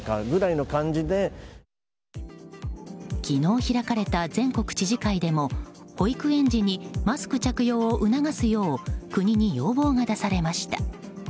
昨日開かれた全国知事会でも保育園児にマスク着用を促すよう国に要望が出されました。